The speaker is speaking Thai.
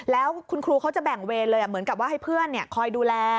แล้วคุณครูเขาจะแบ่งเวรเลยเหมือนกับว่าให้เพื่อนคอยดูแล